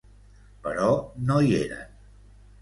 Però no hi eren.